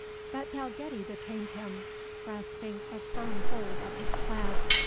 But Dalgetty detained him, grasping a firm hold of his plaid.